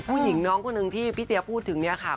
ผู้หญิงน้องคนหนึ่งที่พี่เจี๊ยพูดถึงเนี่ยค่ะ